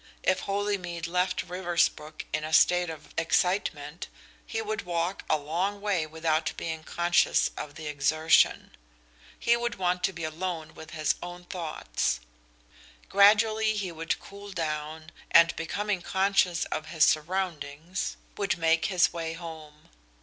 If Holymead left Riversbrook in a state of excitement he would walk a long way without being conscious of the exertion. He would want to be alone with his own thoughts. Gradually he would cool down, and becoming conscious of his surroundings would make his way home.